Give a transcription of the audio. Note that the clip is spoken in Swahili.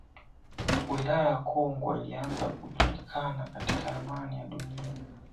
Wilaya ya Kongwa ilianza kujulikana katika ramani ya Dunia